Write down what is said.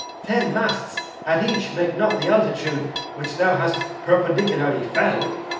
Ten masts at each make not the altitude Which thou hast perpendicularly fell.